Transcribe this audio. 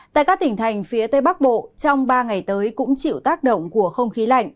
tại các tỉnh thành phía tây bắc bộ trong ba ngày tới cũng chịu tác động của không khí lạnh